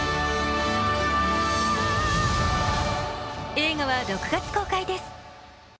映画は６月公開です。